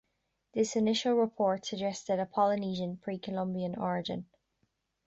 This initial report suggested a Polynesian pre-Columbian origin.